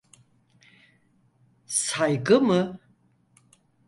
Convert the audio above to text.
Saygı mı?